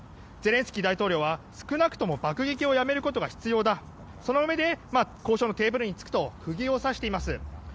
ゼレンスキー大統領は少なくとも爆撃をやめることが必要だそのうえで交渉のテーブルに着くと釘を刺しています。